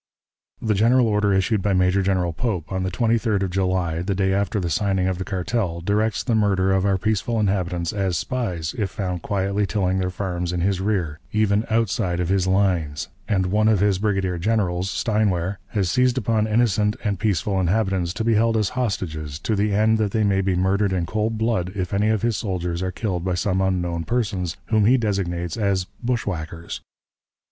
"The general order issued by Major General Pope, on the 23d of July, the day after the signing of the cartel, directs the murder of our peaceful inhabitants as spies, if found quietly tilling their farms in his rear, even outside of his lines; and one of his brigadier generals, Steinwehr, has seized upon innocent and peaceful inhabitants, to be held as hostages, to the end that they may be murdered in cold blood if any of his soldiers are killed by some unknown persons, whom he designates as 'bushwhackers.'